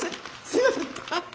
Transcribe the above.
すいませんッ！